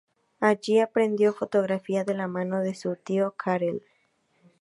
Allí aprendió fotografía de la mano de su tío Karel.